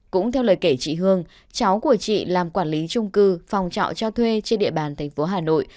cũng theo lời kể chị hương cháu của chị làm quản lý trung cư phòng trọ cho thuê trên địa bàn thành phố hà nội